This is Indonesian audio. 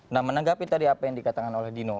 nah menanggapi tadi apa yang dikatakan oleh dino